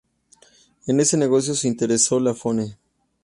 En ese negocio se interesó Lafone.